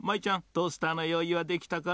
トースターのよういはできたかな？